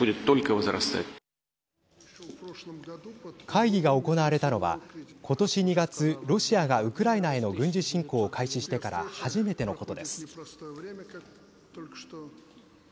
会議が行われたのはことし２月、ロシアがウクライナへの軍事侵攻を開始してから初めてのことです。